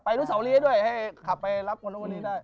ไปรุ่นเสาหลีได้ด้วยให้ขับไปรับคนตอนนี้ได้